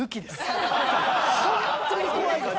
ホントに怖いです